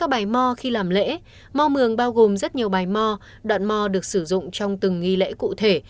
bài mò khi làm lễ mò mường bao gồm rất nhiều bài mò đoạn mò được sử dụng trong từng nghi lễ cụ thể